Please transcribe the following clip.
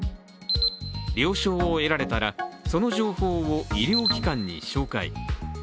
了承を得られたら、その情報を医療機関に紹介。